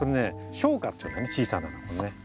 小花っていうんだね小さな花ね。